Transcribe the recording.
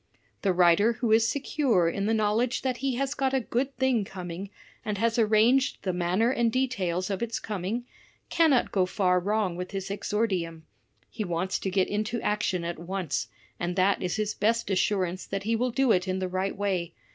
The writer who is secure in the knowledge that he has got a good thing coming, and has arranged the manner and details of its com ing, cannot go far wrong with his exordium; he wants to get into action at once, and that is his best assurance that he will do it in the right way.